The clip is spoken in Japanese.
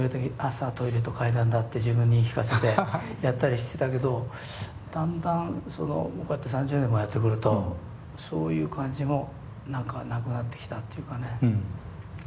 そうだトイレと階段だって自分に言い聞かせてやったりしてたけどだんだんこうやって３０年もやってくるとそういう感じも何かなくなってきたっていうかね。